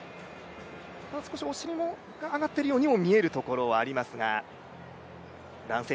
少しお尻も上がっているようにも見えるところはありますが。